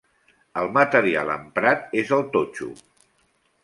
El material emprat és el totxo.